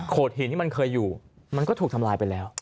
หินที่มันเคยอยู่มันก็ถูกทำลายไปแล้ว